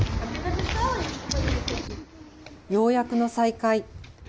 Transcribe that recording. ようやくの再会。